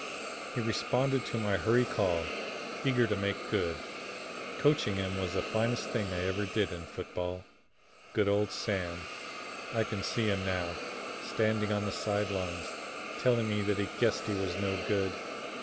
He responded to my hurry call, eager to make good. Coaching him was the finest thing I ever did in football. Good old Sam, I can see him now, standing on the side lines telling me that he guessed he was no good.